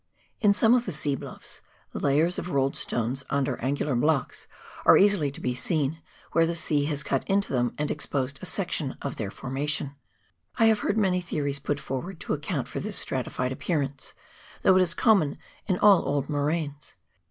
In some of the sea bluffs the layers of rolled stones under angular blocks are easily to be seen, where the sea has cut into them and exposed a section of their formation. I have heard many theories put forward to account for this stratified appear ance, though it is common in all old moraines.